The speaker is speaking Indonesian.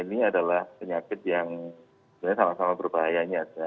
ini adalah penyakit yang sebenarnya sama sama berbahayanya